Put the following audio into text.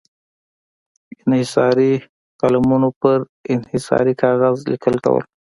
انحصاري قلمونو پر انحصاري کاغذ لیکل کول.